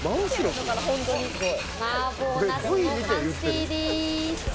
麻婆茄子の完成です。